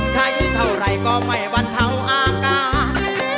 ใช้เท่าไรก็ไม่วันเท่าอาการ